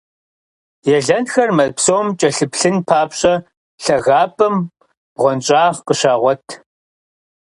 Елэнхэр мэз псом кӀэлъыплъын папщӀэ, лъагапӀэм бгъуэнщӀагъ къыщагъуэт.